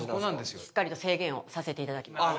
しっかりと制限をさせていただきます。